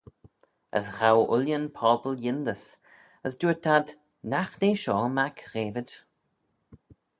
As ghow ooilley'n pobble yindys, as dooyrt ad, nagh nee shoh mac Ghavid?